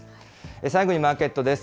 最後にマーケットです。